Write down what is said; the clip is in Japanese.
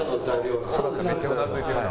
めっちゃうなずいてるな。